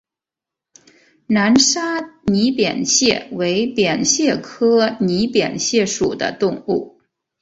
南沙拟扁蟹为扁蟹科拟扁蟹属的动物。